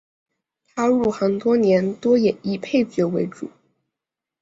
他入行多年多演绎配角为主。